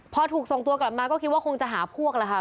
พอถูกส่งตัวกลับมาก็คิดว่าคงจะหาพวกแล้วค่ะ